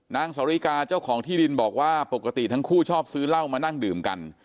นางสาวริกาเจ้าของที่ดินบอกว่าปกติทั้งคู่ชอบซื้อเหล้ามานั่งดื่มกัน